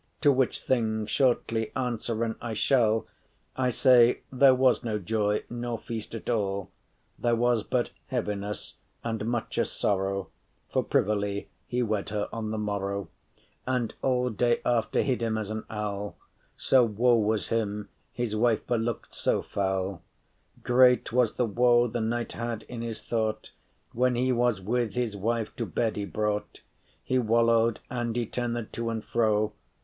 *same To which thing shortly answeren I shall: I say there was no joy nor feast at all, There was but heaviness and muche sorrow: For privily he wed her on the morrow; And all day after hid him as an owl, So woe was him, his wife look’d so foul Great was the woe the knight had in his thought When he was with his wife to bed y brought; He wallow’d, and he turned to and fro.